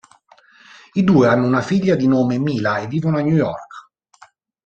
I due hanno una figlia di nome Mila e vivono a New York.